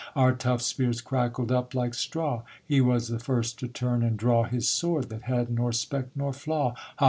_ Our tough spears crackled up like straw; He was the first to turn and draw His sword, that had nor speck nor flaw; _Hah!